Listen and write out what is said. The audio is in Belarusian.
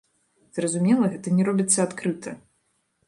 Зразумела, гэта не робіцца адкрыта.